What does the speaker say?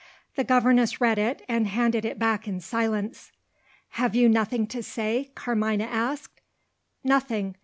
The governess read it, and handed it back in silence. "Have you nothing to say?" Carmina asked. "Nothing.